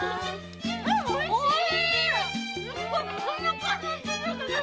おいしい！